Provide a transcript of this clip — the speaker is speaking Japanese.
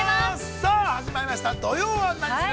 ◆さあ、始まりました「土曜はナニする！？」